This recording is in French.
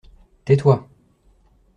Tais-toi.